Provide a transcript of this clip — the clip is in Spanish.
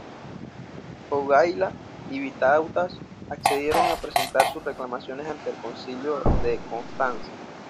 Jogaila y Vitautas accedieron a presentar sus reclamaciones ante el Concilio de Constanza.